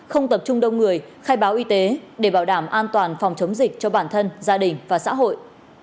không tập trung đông người khai báo y tế để bảo đảm an toàn phòng chống dịch cho bản thân gia đình và xã hội